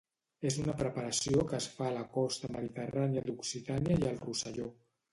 És una preparació que es fa a la costa mediterrània d'Occitània i al Rosselló.